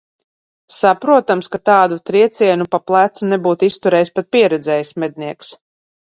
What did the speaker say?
Saprotams, ka tādu triecienu pa plecu nebūtu izturējis pat pieredzējis mednieks.